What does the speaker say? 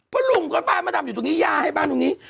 เพราะลุงก็บ้านมะดำอยู่ตรงนี้ย่าให้บ้านตรงนี้